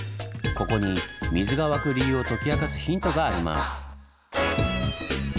ここに水が湧く理由を解き明かすヒントがあります。